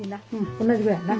同じぐらいやな。